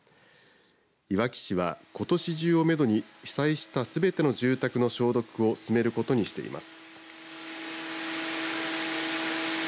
いわき市は、ことし中をめどに被災したすべての住宅の消毒を進めることにしています。